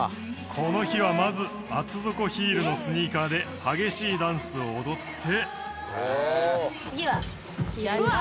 この日はまず厚底ヒールのスニーカーで激しいダンスを踊って。